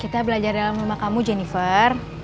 kita belajar dalam rumah kamu jennifer